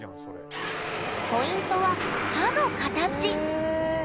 ポイントは歯の形。